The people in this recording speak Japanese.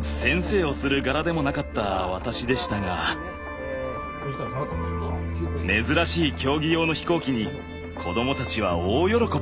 先生をする柄でもなかった私でしたが珍しい競技用の飛行機に子供たちは大喜び。